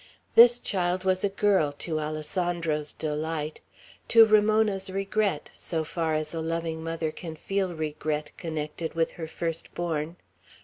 This child was a girl, to Alessandro's delight; to Ramona's regret, so far as a loving mother can feel regret connected with her firstborn.